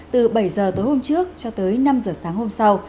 từ bảy h tối hôm trước cho tới năm h sáng hôm sau